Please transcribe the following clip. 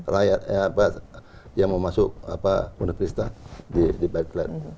rakyat yang mau masuk bunda krista di bad glad